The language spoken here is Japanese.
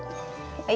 はい。